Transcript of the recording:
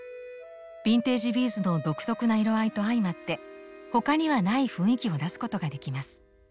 ビンテージビーズの独特な色合いと相まって他にはない雰囲気を出すことができます。